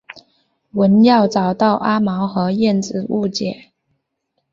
文耀找到阿毛和燕子误解。